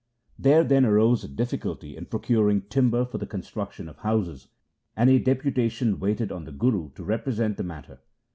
There then arose a difficulty in procuring timber for the construction of houses, and a deputa tion waited on the Guru to represent the matter.